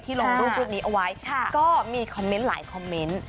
ลงรูปนี้เอาไว้ก็มีคอมเมนต์หลายคอมเมนต์